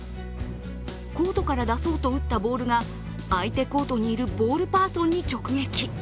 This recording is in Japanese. コートに打ったボールが相手コートにいるボールパーソンに直積。